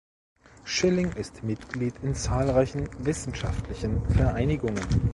Schilling ist Mitglied in zahlreichen wissenschaftlichen Vereinigungen.